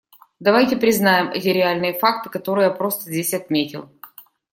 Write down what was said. Давайте признаем эти реальные факты, которые я просто здесь отметил.